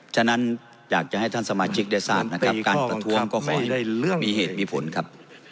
ฉะนั้นอยากจะให้ท่านสมาชิกได้ทราบนะครับการประท้วงก็ขอให้ได้มีเหตุมีผลครับ